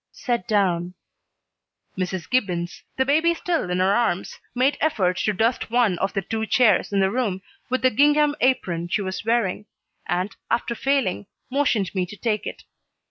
"Set down." Mrs. Gibbons, the baby still in her arms, made effort to dust one of the two chairs in the room with the gingham apron she was wearing, and, after failing, motioned me to take it.